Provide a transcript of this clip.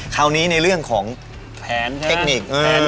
คราวนี้ในเรื่องของแผนเทคนิค